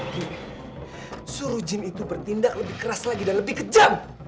gek suruh jin itu bertindak lebih keras lagi dan lebih kejam